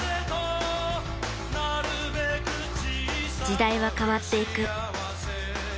時代は変わっていく。